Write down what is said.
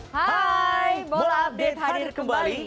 hai mola update hadir kembali